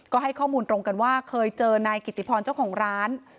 ก็ให้ข้อมูลตรงกันว่าเคยเจอนายกิติพรเจ้าของร้าน